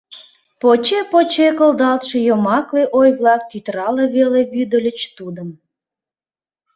Поче-поче кылдалтше йомакле ой-влак тӱтырала веле вӱдыльыч тудым.